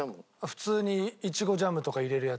普通にいちごジャムとか入れるやつ。